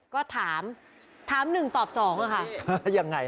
ก็ถามถามหนึ่งตอบสองอะค่ะยังไง